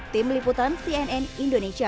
tim liputan cnn indonesia